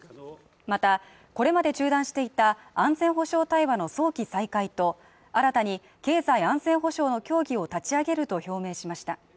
また、これまで中断していた安全保障対話の早期再開と新たに経済安全保障の協議を立ち上げると表明しました。